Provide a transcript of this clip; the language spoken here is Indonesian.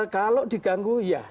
kalau diganggu ya